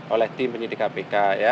oleh tim penyitik kpk ya